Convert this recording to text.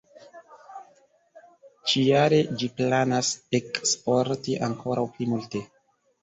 Ĉi-jare ĝi planas eksporti ankoraŭ pli multe.